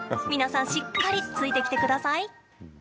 皆さんしっかりついてきてください。